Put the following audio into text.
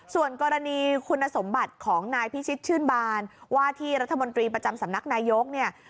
ส่วนกรณีคุณสมบัติของนายพิชิตชื่นบานว่าที่รัฐมนตรีประจำสำนักนายกเนี่ย